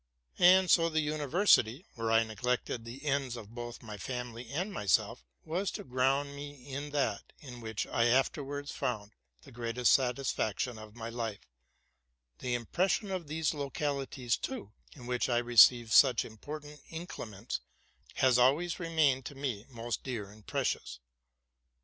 And so the university, where I neglected the ends of both my family and myself, was to ground me in that in which I afterwards found the greatest satisfaction of my life: the iunpression of those localities, too, in which I received such important incitements, has always remained to me most dear and precious.